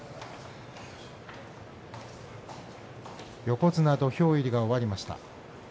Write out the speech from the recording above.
横綱土俵入りが終わりました。